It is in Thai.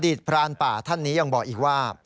พรานป่าท่านนี้ยังบอกอีกว่า